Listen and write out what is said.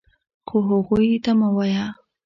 خو هغوی ته مه وایه .